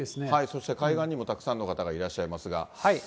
そして海岸にもたくさんの方がいらっしゃいますが。